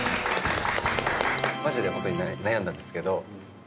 マジでホントに悩んだんですけどはい。